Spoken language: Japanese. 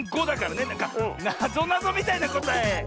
なんかなぞなぞみたいなこたえ！